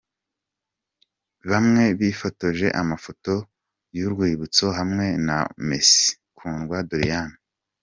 Bamwe bifotoje amafoto y'urwibutso hamwe na Miss Kundwa Doriane.